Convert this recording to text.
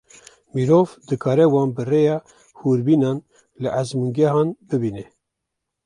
Mirov dikare wan bi rêya hûrbînan li ezmûngehan bibîne.